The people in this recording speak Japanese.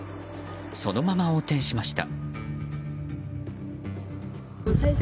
そのまま横転しました。